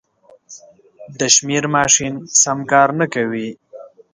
د شمېر ماشین سم کار نه کوي.